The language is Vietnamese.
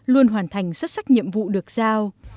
luôn hoàn thành xuất sắc nhiệm vụ được giao